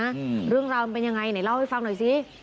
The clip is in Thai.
อืมเรื่องราวมันเป็นยังไงไหนเล่าให้ฟังหน่อยสิ